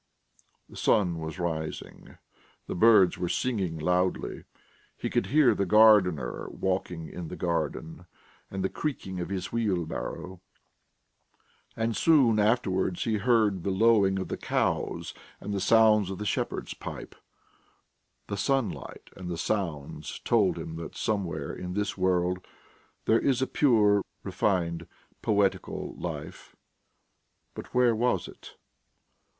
The sun was rising, the birds were singing loudly; he could hear the gardener walking in the garden and the creaking of his wheelbarrow ... and soon afterwards he heard the lowing of the cows and the sounds of the shepherd's pipe. The sunlight and the sounds told him that somewhere in this world there is a pure, refined, poetical life. But where was it?